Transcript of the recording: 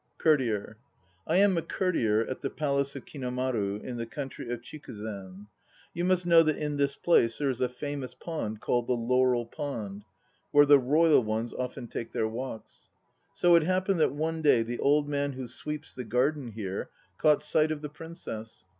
COURTIER. I am a courtier at the Palace of Kinomaru in the country of Chikiizen. You must know that in this place there is a famous pond called the Laurel Pond, where the royal ones often take their walks; so it happened that one day the old man who sweeps the garden here caught sight of the Princess.